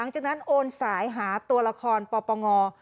จากนั้นโอนสายหาตัวละครปปง